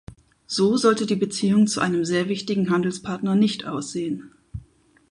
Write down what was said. So sollte die Beziehung zu einem sehr wichtigen Handelspartner nicht aussehen.